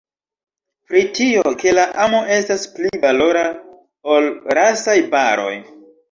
Pri tio, ke la amo estas pli valora, ol rasaj baroj.